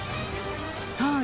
さあ